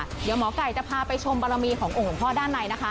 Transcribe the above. เดี๋ยวหมอไก่จะพาไปชมบารมีขององค์หลวงพ่อด้านในนะคะ